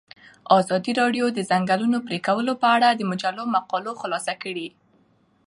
ازادي راډیو د د ځنګلونو پرېکول په اړه د مجلو مقالو خلاصه کړې.